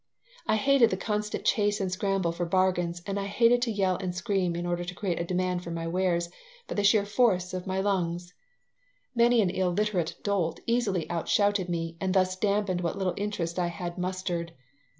I hated the constant chase and scramble for bargains and I hated to yell and scream in order to create a demand for my wares by the sheer force of my lungs. Many an illiterate dolt easily outshouted me and thus dampened what little interest I had mustered.